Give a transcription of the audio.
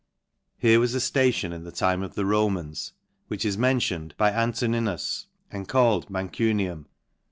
Here was a ftation in the time of the Romans, which is mentioned by An toninus and called Mancunium.